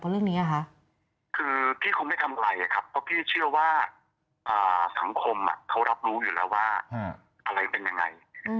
แล้วพี่ก็เชื่อว่าสังคมเขารับรู้อยู่แล้วว่าอันไหร่เป็นยังไง